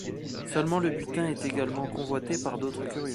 Seulement le butin est également convoité par d'autres curieux.